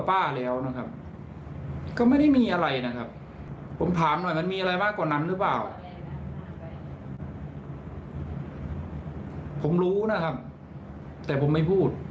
ผมรู้นะครับแต่ผมไม่พูด